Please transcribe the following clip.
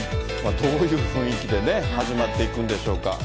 どういう雰囲気でね、始まっていくんでしょうか。